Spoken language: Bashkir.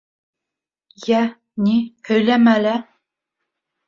— Йә, ни, һөйләмә лә.